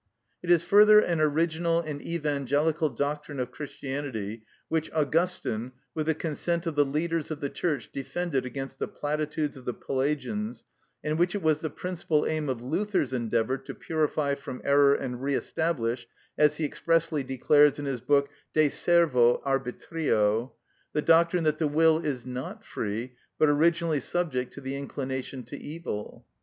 It is further an original and evangelical doctrine of Christianity—which Augustine, with the consent of the leaders of the Church, defended against the platitudes of the Pelagians, and which it was the principal aim of Luther's endeavour to purify from error and re establish, as he expressly declares in his book, "De Servo Arbitrio,"—the doctrine that the will is not free, but originally subject to the inclination to evil.